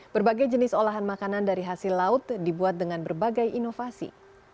berbagai jenis olahan makanan dari hasil laut dibuat dengan berbagai inovasi